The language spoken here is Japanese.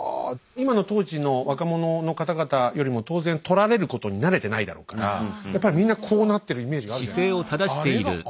今の当時の若者の方々よりも当然撮られることに慣れてないだろうからやっぱりみんなこうなってるイメージがあるじゃないですか。